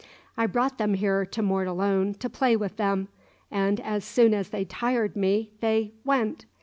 I brought them here, to Mortallone, to play with them; and as soon as they tired me, they went.